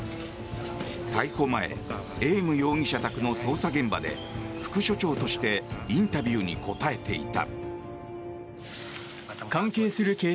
逮捕前エーム容疑者宅の捜査現場で副署長としてインタビューに答えていた。